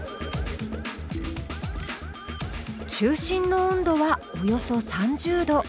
中心の温度はおよそ３０℃。